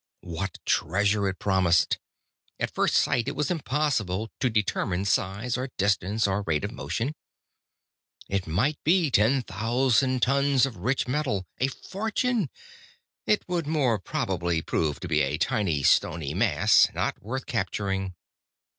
What treasure it promised! At first sight, it was impossible to determine size or distance or rate of motion. It might be ten thousand tons of rich metal. A fortune! It would more probably prove to be a tiny, stony mass, not worth capturing.